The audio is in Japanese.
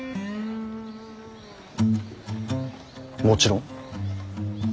もちろん。